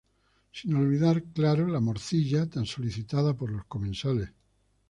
Sin olvidar claro, la morcilla, tan solicitada por los comensales.